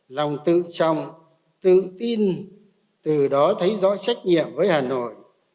lòng tự trọng tự tin từ đó thấy rõ trách nhiệm với hà nội